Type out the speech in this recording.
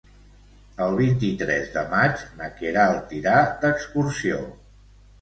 El vint-i-tres de maig na Queralt irà d'excursió.